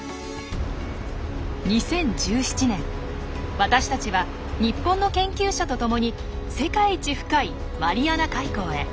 私たちは日本の研究者とともに世界一深いマリアナ海溝へ。